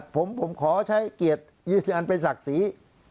ผมขอใช้เกียรติยืดอันเป็นศักดิ์ศรี